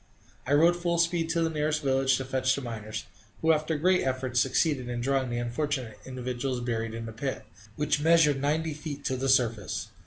I rode full speed to the nearest village to fetch the miners, who after great efforts succeeded in drawing the unfortunate individuals buried in the pit which measured ninety feet to the surface.